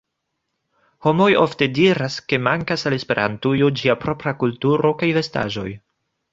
Homoj ofte diras, ke mankas al Esperantujo ĝia propra kulturo kaj vestaĵoj